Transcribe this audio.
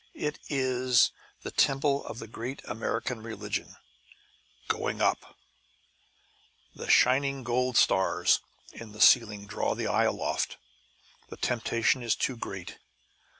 It is the temple of the great American religion, Going Up. The shining gold stars in the ceiling draw the eye aloft. The temptation is too great.